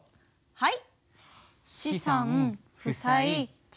はい。